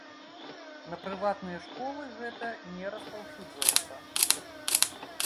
На прыватныя школы гэта не распаўсюджваецца.